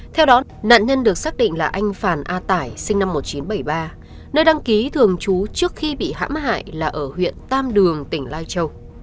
theo đó nạn nhân được xác định là anh phàn a tải sinh năm một nghìn chín trăm bảy mươi ba nơi đăng ký thường trú trước khi bị hãm hại là ở huyện tam đường tỉnh lai châu